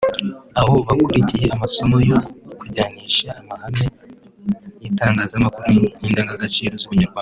aho bakurikiye amasomo yo kujyanisha amahame y’itangazamakuru n’indangagaciro z’ubunyarwanda